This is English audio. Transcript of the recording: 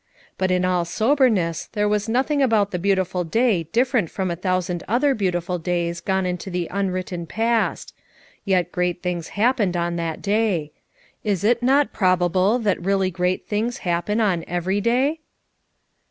But in all soberness there was nothing about the beautiful day different from a thousand other beautiful days gone into the unwritten past; yet great things happened 295 296 FOUR MOTHERS AT CHAUTAUQUA on that day. Is it not probable that really great things happen on every day?